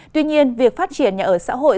tuy nhiên việc phát triển nhà ở xã hội